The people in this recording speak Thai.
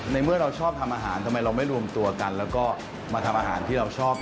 แล้วก็มาทำอาหารที่เราชอบ